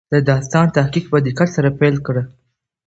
د داستان تحقیق په دقت سره پیل کړه.